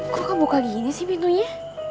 kok kamu buka gini sih pintunya